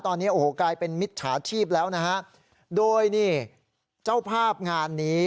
ตอนนี้โอ้โหกลายเป็นมิจฉาชีพแล้วนะฮะโดยนี่เจ้าภาพงานนี้